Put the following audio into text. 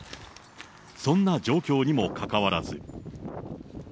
そんな状況にもかかわらず。